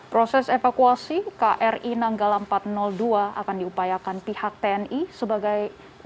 proses evakuasi kri nanggala empat ratus dua akan diupayakan pihak tni sebagai